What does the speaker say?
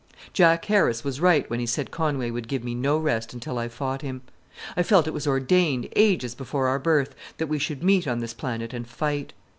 Jack Harris was right when he said Conway would give me no rest until I fought him. I felt it was ordained ages before our birth that we should meet on this planet and fight.